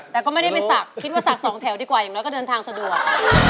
แต่โยไม่ได้ไปสักคิดว่าสัก๒แถวดีกว่ายังน้อยก็เริ่มทางสะดวก